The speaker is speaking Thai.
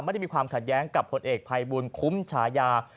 ไม่ได้มีความขาดแย้งกับผลเอกภัยบุญคุ้มฉายา